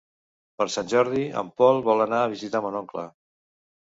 Per Sant Jordi en Pol vol anar a visitar mon oncle.